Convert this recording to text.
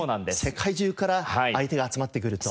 世界中から相手が集まってくると。